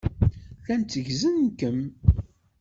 Llan tteggzen-kem.